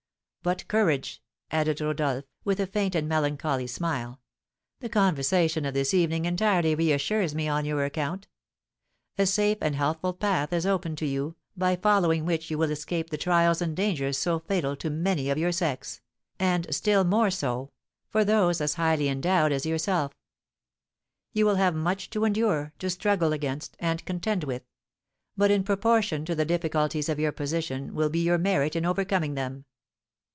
But, courage!" added Rodolph, with a faint and melancholy smile; "the conversation of this evening entirely reassures me on your account. A safe and healthful path is opened to you, by following which you will escape the trials and dangers so fatal to many of your sex, and, still more so, for those as highly endowed as yourself. You will have much to endure, to struggle against, and contend with; but in proportion to the difficulties of your position will be your merit in overcoming them.